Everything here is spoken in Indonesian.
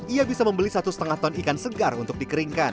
ia bisa membeli satu lima ton ikan segar untuk dikeringkan